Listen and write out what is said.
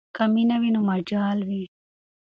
که مینه وي نو مجال وي.